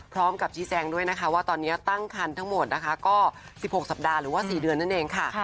พร้อมกับชี้แจงด้วยนะคะว่าตอนนี้ตั้งคันทั้งหมดนะคะก็๑๖สัปดาห์หรือว่า๔เดือนนั่นเองค่ะ